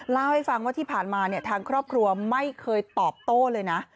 เล่าให้ฟังว่าที่ผ่านมาเนี่ยทางครอบครัวไม่เคยตอบโต้เลยนะ